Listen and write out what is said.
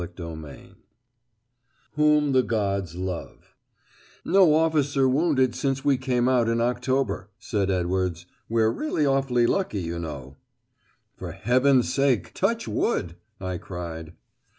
CHAPTER X "WHOM THE GODS LOVE" "No officer wounded since we came out in October," said Edwards: "we're really awfully lucky, you know." "For heaven's sake, touch wood," I cried.